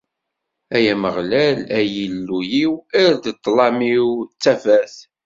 Ay Ameɣlal, ay Illu-iw, err ṭṭlam-iw d tafat.